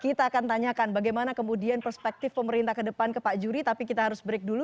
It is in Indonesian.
kita akan tanyakan bagaimana kemudian perspektif pemerintah ke depan ke pak juri tapi kita harus break dulu